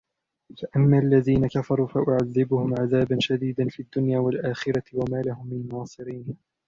فأما الذين كفروا فأعذبهم عذابا شديدا في الدنيا والآخرة وما لهم من ناصرين